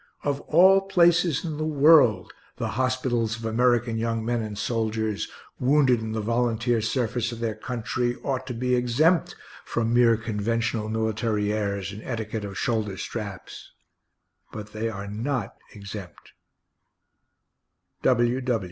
Of all places in the world, the hospitals of American young men and soldiers, wounded in the volunteer service of their country, ought to be exempt from mere conventional military airs and etiquette of shoulder straps. But they are not exempt.